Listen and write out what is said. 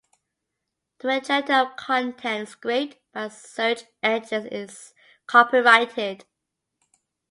The majority of content scraped by search engines is copyrighted.